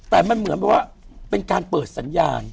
แต่มันเหมือนแบบว่าเป็นการเปิดสัญญาณ